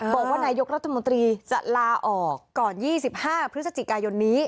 บอกว่านายกรัฐมนตรีจะลาออกก่อน๒๕พฤศจิกายนนี้